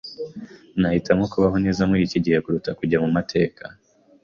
Nahitamo kubaho neza muri iki gihe kuruta kujya mu mateka.